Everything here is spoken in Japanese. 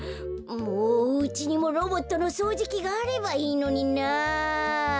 もううちにもロボットのそうじきがあればいいのにな。